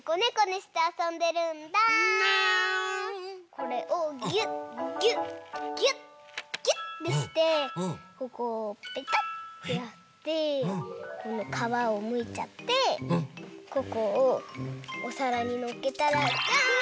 これをギュッギュッギュッギュッてしてここをペタッてやってこのかわをむいちゃってここをおさらにのっけたらじゃん！